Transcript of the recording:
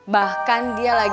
bahkan dia lagi